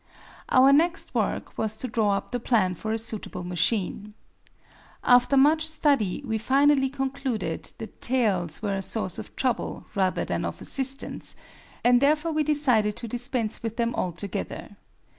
Our next work was to draw up the plan for a suitable machine. After much study we finally concluded that tails were a source of trouble rather than of assistance, and therefore we decided to dispense with them altogether.